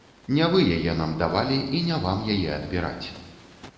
Не вы яе нам давалі і не вам яе адбіраць.